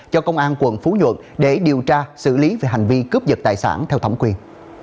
cho công an tp hcm để điều tra xử lý về hành vi cướp giật tài sản theo thống quyền